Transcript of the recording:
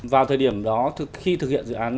vào thời điểm đó khi thực hiện dự án